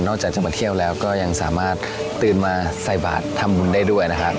จากจะมาเที่ยวแล้วก็ยังสามารถตื่นมาใส่บาททำบุญได้ด้วยนะครับ